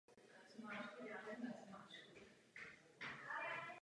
Letos udělíme Sacharovovu cenu, symbol oddanosti Evropského parlamentu lidským právům.